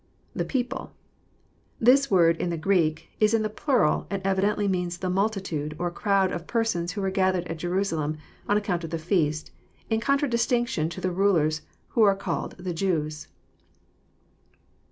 [The people,] This word in the Greek is in the plural, and evidently means the multitude, or crowd of persons who were gathered at Jerusalem on account of the feast, in contradistinc tion to the rulers who are called '* the Jews."